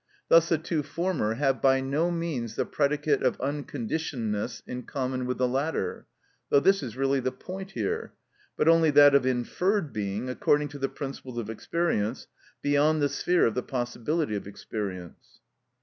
Thus the two former have by no means the predicate of unconditionedness in common with the latter, though this is really the point here, but only that of inferred being according to the principles of experience, beyond the sphere of the possibility of experience.